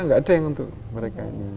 nggak ada yang untuk mereka ini